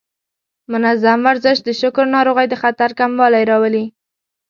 منظم ورزش د شکر ناروغۍ د خطر کموالی راولي.